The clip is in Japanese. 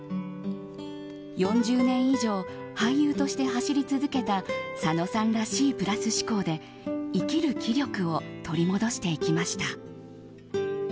４０年以上、俳優として走り続けた佐野さんらしいプラス思考で生きる気力を取り戻していきました。